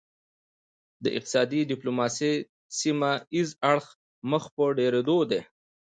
د اقتصادي ډیپلوماسي سیمه ایز اړخ مخ په ډیریدو دی